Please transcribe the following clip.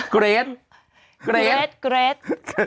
เกรดเกรดเกรด